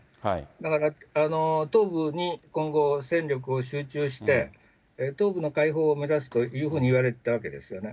だから、東部に今後、戦力を集中して、東部の開港を目指すというふうにいわれたわけですよね。